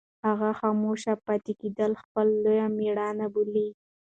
هغه خاموشه پاتې کېدل خپله لویه مېړانه بولي.